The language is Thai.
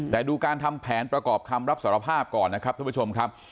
แต่ดูการทำแผนประกอบคำรับสารภาพก่อนนะครับท่านผู้ชมครับ